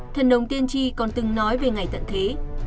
thần đồng tiên tri còn từng nói về ngày tận thế